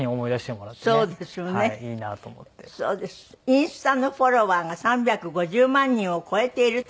インスタのフォロワーが３５０万人を超えているという。